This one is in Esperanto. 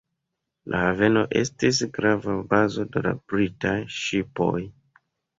La haveno estis grava bazo de britaj ŝipoj.